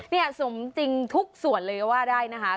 สมจริงทุกส่วนเลยก็ว่าได้นะคะ